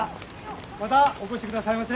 またお越しくださいませ。